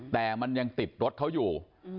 แต่มันยังติดรถเขาอยู่